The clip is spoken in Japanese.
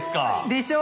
でしょ？